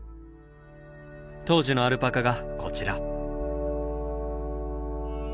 当時のアルパカがこちら。